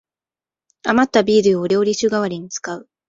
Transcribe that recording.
あまったビールを料理酒がわりに使う